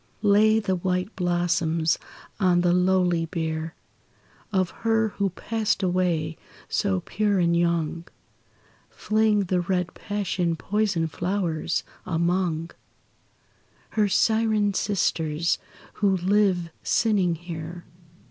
Lay the white blossoms on the lowly bier Of her who passed away, so pure and young, Fling the red passion poisoned flowers among Her syren sisters who live sinning here.